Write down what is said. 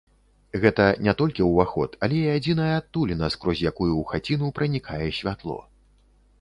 Гэта не толькі ўваход, але і адзіная адтуліна, скрозь якую ў хаціну пранікае святло.